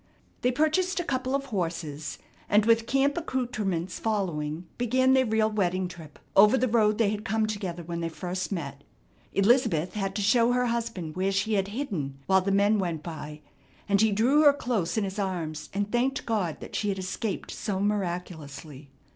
They purchased a couple of horses, and with camp accoutrements following began their real wedding trip, over the road they had come together when they first met. Elizabeth had to show her husband where she had hidden while the men went by, and he drew her close in his arms and thanked God that she had escaped so miraculously.